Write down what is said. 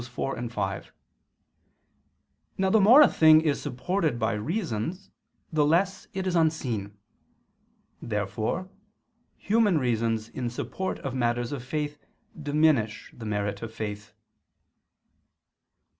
4, 5). Now the more a thing is supported by reasons the less is it unseen. Therefore human reasons in support of matters of faith diminish the merit of faith.